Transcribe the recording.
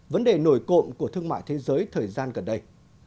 vấn đề nổi cộng của thương mại thế giới thời gian gần đây